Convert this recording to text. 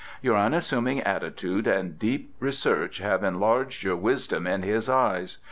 Your unassuming attitude and deep research have enlarged your wisdom in his eyes.